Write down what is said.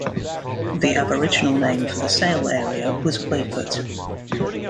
The Aboriginal name for the Sale area was Wayput.